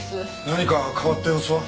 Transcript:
何か変わった様子は？